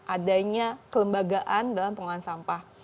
adanya kelembagaan dalam pengelolaan sampah